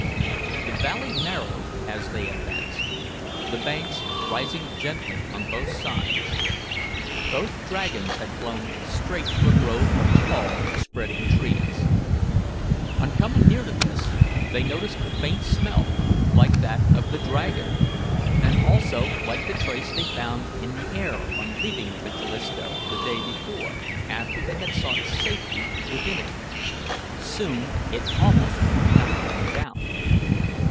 The valley narrowed as they advanced, the banks rising gently on both sides. Both dragons had flown straight to a grove of tall, spreading trees. On coming near to this, they noticed a faint smell like that of the dragon, and also like the trace they found in the air on leaving the Callisto the day before, after they had sought safety within it. Soon it almost knocked them down.